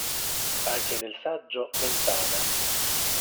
Anche nel saggio "Mentana.